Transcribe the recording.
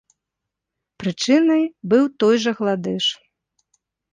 Прычынай быў той жа гладыш.